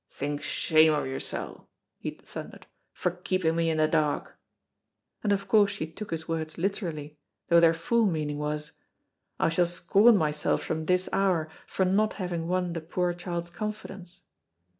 "Think shame of yoursel'," he thundered, "for keeping me in the dark," and of course she took his words literally, though their full meaning was, "I shall scorn myself from this hour for not having won the poor child's confidence."